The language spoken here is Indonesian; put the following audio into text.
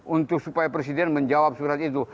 untuk supaya presiden menjawab surat itu